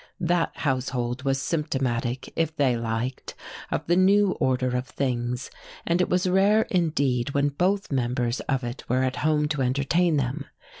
That household was symptomatic if they liked of the new order of things; and it was rare indeed when both members of it were at home to entertain them.